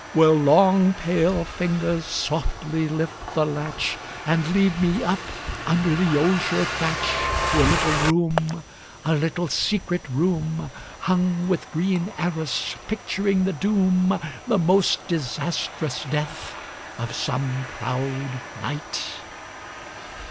Will long pale fingers softly lift the latch, And lead me up, under the osier thatch, To a little room, a little secret room, Hung with green arras picturing the doom, The most disasterous death of some proud knight?